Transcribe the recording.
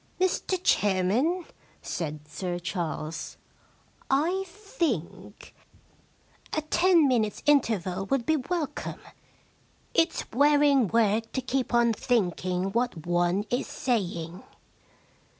* Mr Chairman,* said Sir Charles, * I think 137 The Problem Club a ten minutes* interval would be welcome. It*s wearing work to keep on thinking what one is saying.'